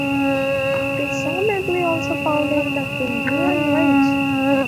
Presumably also found in the Vindhyan rage.